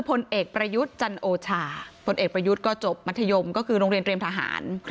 พลเอกประยุทธ์จันโอชาพลเอกประยุทธ์ก็จบมัธยมก็คือโรงเรียนเตรียมทหาร